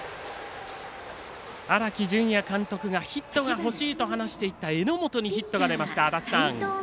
荒木準也監督がヒットが欲しいと話していた榎本にヒットが出ました。